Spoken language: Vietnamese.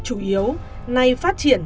chủ yếu nay phát triển